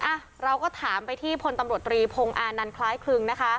อ่ะเราก็ถามไปที่พลตำรวจตรีพงอานันต์คล้ายคลึงนะคะ